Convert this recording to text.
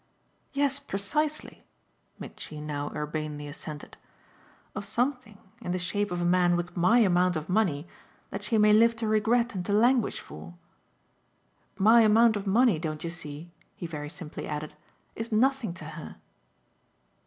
"Yes, precisely," Mitchy now urbanely assented: "of something in the shape of a man with MY amount of money that she may live to regret and to languish for. My amount of money, don't you see?" he very simply added, "is nothing to her."